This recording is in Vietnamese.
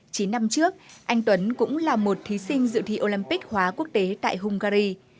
chín năm trước anh tuấn cũng là một thí sinh dự thi olympic hóa quốc tế tại hungary